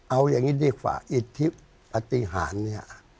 เอาอย่างนี้ดีกว่าอิทธิปฏิหารเนี่ย